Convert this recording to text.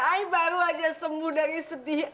eh baru aja sembuh dari sedih